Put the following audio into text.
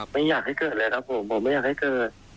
ไม่อยากให้เกิดเลยครับผมผมไม่อยากให้เกิด